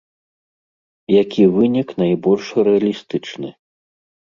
Які вынік найбольш рэалістычны?